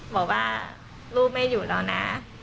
บอกว่าลูกไม่อยู่แล้วนะ